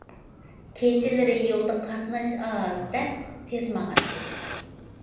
كېچىلىرى يولدا قاتناش ئاز دەپ تىز ماڭاتتى.